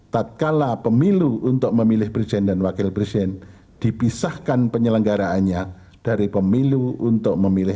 tak kala pemilu untuk memilih presiden dan wakil presiden dipisahkan penyelenggaraannya dari pemilu untuk memilih